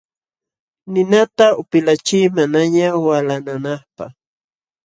Ninata upilachiy manañaq walananapaq.